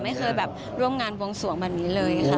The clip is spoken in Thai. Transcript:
ไม่เคยแบบร่วมงานบวงสวงแบบนี้เลยค่ะ